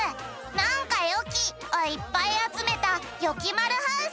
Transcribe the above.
「なんかよき！」をいっぱいあつめた「よきまるハウス」